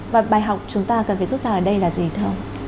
và bài học chúng ta cần phải rút ra ở đây là gì thưa ông